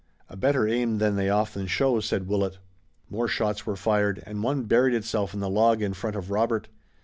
"A better aim than they often show," said Willet. More shots were fired, and one buried itself in the log in front of Robert.